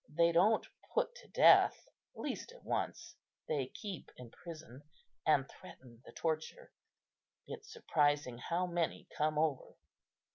They don't put to death, at least at once; they keep in prison, and threaten the torture. It's surprising how many come over."